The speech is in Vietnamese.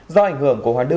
do ảnh hưởng của hoàn đư